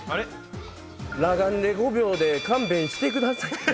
裸眼で５秒で勘弁してください。